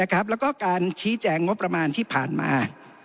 แล้วก็การชี้แจงงบประมาณที่ผ่านมา